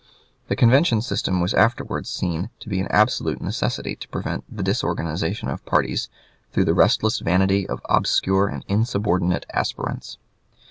The convention system was afterwards seen to be an absolute necessity to prevent the disorganization of parties through the restless vanity of obscure and insubordinate aspirants.